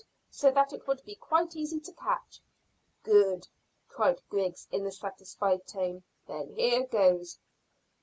So that it would be quite easy to catch." "Good," cried Griggs, in a satisfied tone. "Then here goes."